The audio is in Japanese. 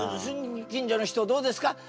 近所の人どうですか。